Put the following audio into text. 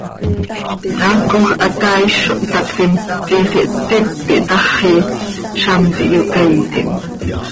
Pnaacoj hacaaiz zo htaactim, tiix ihtíp ihtaxi, zamt ihyocaiitim.